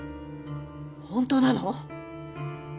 本当なの！？